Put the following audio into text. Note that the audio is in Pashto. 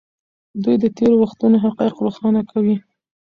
دوی د تېرو وختونو حقایق روښانه کوي.